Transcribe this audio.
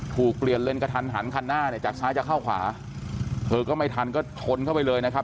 เปลี่ยนเลนกระทันหันคันหน้าเนี่ยจากซ้ายจะเข้าขวาเธอก็ไม่ทันก็ชนเข้าไปเลยนะครับ